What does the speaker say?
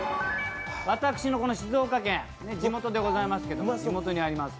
私の静岡県、地元でございますけど地元にあります